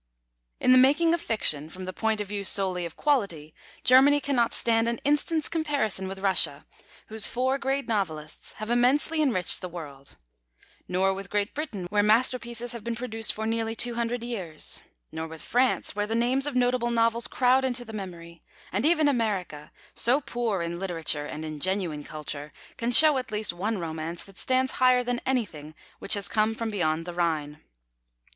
In the making of fiction, from the point of view solely of quality, Germany cannot stand an instant's comparison with Russia, whose four great novelists have immensely enriched the world; nor with Great Britain, where masterpieces have been produced for nearly two hundred years; nor with France, where the names of notable novels crowd into the memory; and even America, so poor in literature and in genuine culture, can show at least one romance that stands higher than anything which has come from beyond the Rhine.